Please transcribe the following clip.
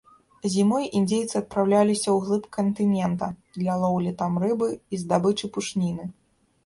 Зімой індзейцы адпраўляліся ўглыб кантынента для лоўлі там рыбы і здабычы пушніны.